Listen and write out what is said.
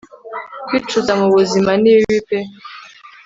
kwicuza mubuzima nibibi pe